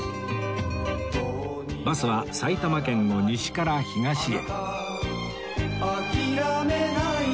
バスは埼玉県の西から東へ